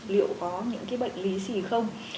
liệu có những cái bệnh lý gì không